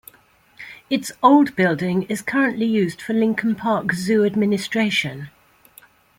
Its old building is currently used for Lincoln Park Zoo administration.